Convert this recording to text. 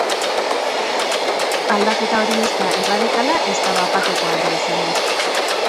Aldaketa hori ez da erradikala, ezta bat-batekoa ere izango.